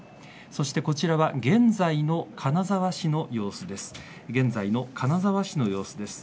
そしてこちらは現在の金沢市の様子です。